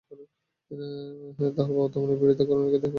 তাহার অবর্তমানে পীড়িতা করুণাকে দেখিবার কেহ লোক নাই।